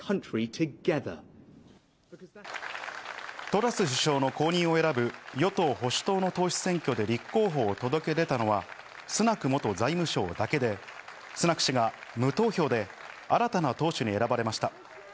トラス首相の後任を選ぶ与党・保守党の党首選挙で立候補を届け出たのはスナク元財務相だけで、スナク氏が無投票で新たな党首に選ばれました。